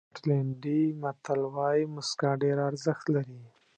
سکاټلېنډي متل وایي موسکا ډېره ارزښت لري.